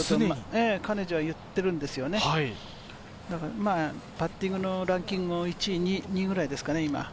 彼女は言ってるんですよね、パッティングのランキングも１位、２位ぐらいですかね。